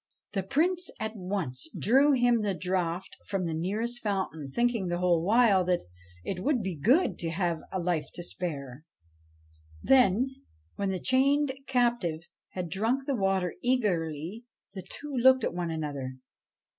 The Prince at once drew him the draught from the nearest fountain, thinking the while that it would be good to have a life to spare. Then, when the chained captive had drunk the water eagerly, the two looked at one another.